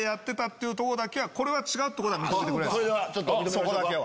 そこだけは。